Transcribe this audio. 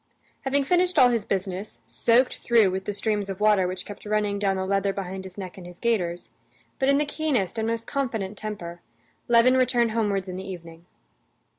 Having finished all his business, soaked through with the streams of water which kept running down the leather behind his neck and his gaiters, but in the keenest and most confident temper, Levin returned homewards in the evening.